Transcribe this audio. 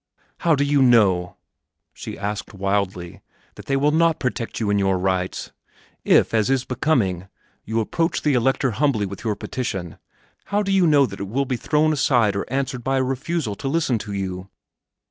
"How do you know," she asked wildly, "that they will not protect you in your rights? If, as is becoming, you approach the Elector humbly with your petition, how do you know that it will be thrown aside or answered by a refusal to listen to you?"